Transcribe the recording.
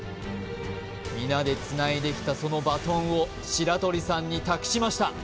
皆でつないできたそのバトンを白鳥さんに託しました